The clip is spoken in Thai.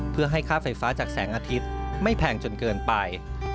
เพื่อให้ค่าไฟฟ้าจากแสงอาทิตย์ไม่แพงจนเกินไป